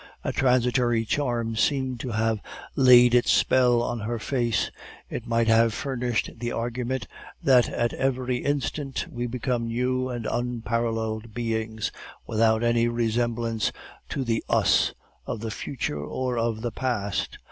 A transitory charm seemed to have laid its spell on her face; it might have furnished the argument that at every instant we become new and unparalleled beings, without any resemblance to the us of the future or of the past.